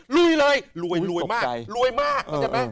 ลุยเลยลวยมาก